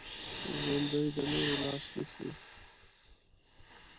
ژوندي د نورو لاس نیسي